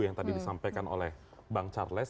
yang tadi disampaikan oleh bang charles